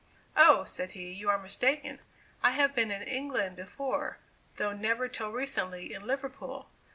"Oh," said he, "you are mistaken. I have been in England before, though never till recently in Liverpool."